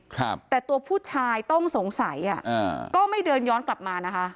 ครับแต่ตัวผู้ชายต้องสงสัยอ่ะอ่าก็ไม่เดินย้อนกลับมานะคะ